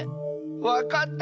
わかった！